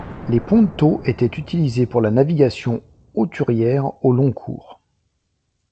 Les pontos étaient utilisés pour la navigation hauturière au long cours.